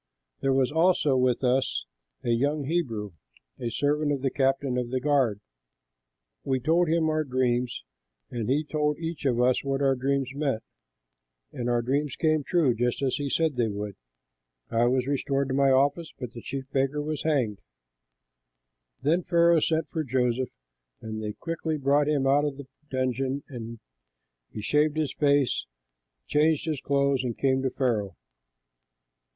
There was also with us a young Hebrew, a servant of the captain of the guard. We told him our dreams and he told each of us what our dreams meant. And our dreams came true just as he said they would: I was restored to my office, but the chief baker was hanged." Then Pharaoh sent for Joseph, and they quickly brought him out of the dungeon; and he shaved his face, changed his clothes, and came to Pharaoh.